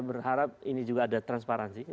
berharap ini juga ada transparansi